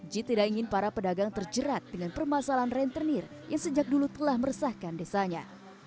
jit tidak ingin para pedagang terjerat dengan permasalahan rentenir yang sejak dulu telah meresahkan desanya